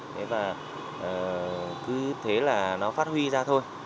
thế và cứ thế là nó phát huy ra